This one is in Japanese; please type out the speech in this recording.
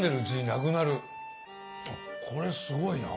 これすごいな。